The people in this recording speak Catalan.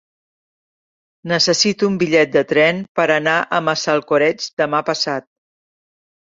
Necessito un bitllet de tren per anar a Massalcoreig demà passat.